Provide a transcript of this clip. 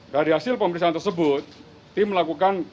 dari hasil pemeriksaan tersebut tim melakukan